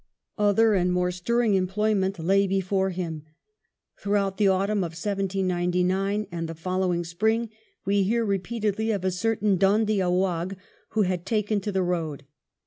Other and more stirring employment lay before him. Throughout the autumn of 1799 and the following spring we hear repeatedly of a certain Dhoondiah Waugh who had " taken to the road."